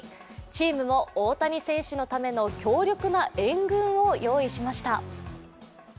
チームも大谷選手のための強力な援軍を用意しました。